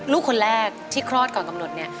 ลูกคนแรกที่คลอดก่อนกำหนดเนี่ย